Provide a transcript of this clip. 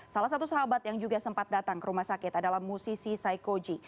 salah satu sahabat yang juga sempat datang ke rumah sakit adalah musisi saikoji